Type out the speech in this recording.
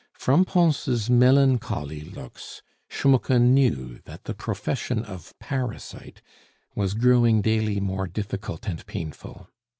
From Pons' melancholy looks Schmucke knew that the profession of parasite was growing daily more difficult and painful.